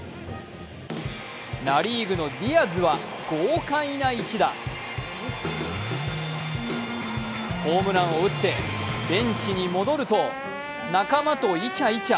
ナ・リーグのディアズは豪快な一打ホームランを打ってベンチに戻ると、仲間とイチャイチャ。